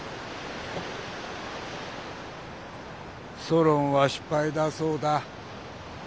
ソロンは失敗だそうだ。